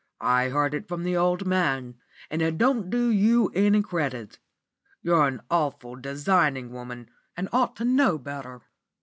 I heard it from the old man, and it don't do you any credit. You're an awful designing woman, and ought to know better.